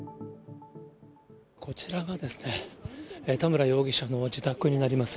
こちらが田村容疑者の自宅になります。